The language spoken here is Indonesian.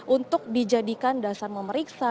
untuk dijadikan dasar memeriksa